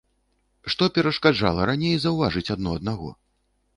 Што перашкаджала раней заўважыць адно аднаго?